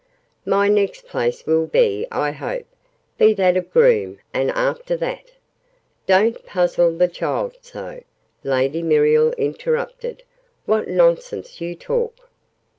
"My next place will, I hope, be that of Groom. And after that " "Don't puzzle the child so!" Lady Muriel interrupted. "What nonsense you talk!"